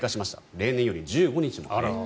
例年より１５日も早い。